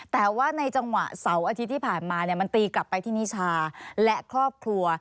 แต่ว่าในจังหวะเสาร์อาทิตย์ที่ผ่านมามันตีกลับไปที่นิชาและครอบครัว